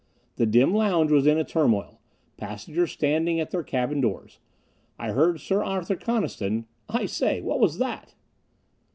The dim lounge was in a turmoil; passengers standing at their cabin doors. I heard Sir Arthur Coniston: "I say, what was that?"